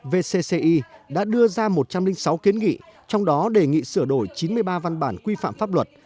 vcci đã đưa ra một trăm linh sáu kiến nghị trong đó đề nghị sửa đổi chín mươi ba văn bản quy phạm pháp luật